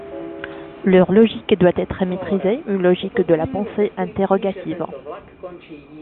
Leur logique doit être maîtrisée : une logique de la pensée interrogative.